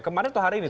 kemarin atau hari ini